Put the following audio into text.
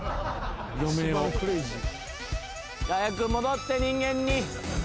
早く戻って人間に。